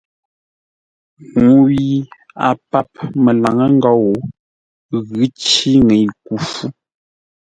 Ŋuu yi a pap məlaŋə́ ngou ghʉ̌ cí ŋəɨ ku fú.